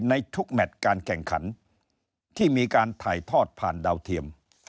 ในทุกแมทการแข่งขันที่มีการถ่ายทอดผ่านดาวเทียม